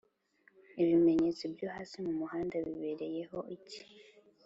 ibimenyetso byo hasi mumuhanda bibereyeho iki